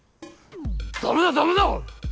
ダメだダメだ！